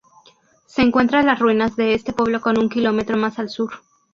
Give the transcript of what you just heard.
Se encuentra las ruinas de este pueblo como un kilómetro más al Sur.